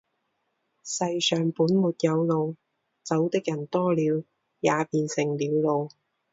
世上本没有路，走的人多了，也便成了路。